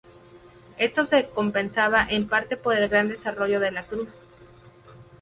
Esto se compensaba en parte por el gran desarrollo de la cruz.